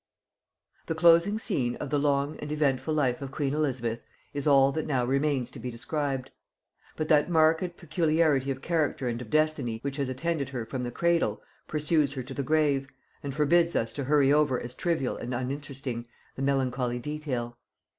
The closing scene of the long and eventful life of queen Elizabeth is all that now remains to be described; but that marked peculiarity of character and of destiny which has attended her from the cradle, pursues her to the grave, and forbids us to hurry over as trivial and uninteresting the melancholy detail.